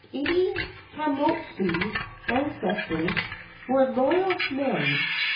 Ide Kammotsu's ancestors were loyal men.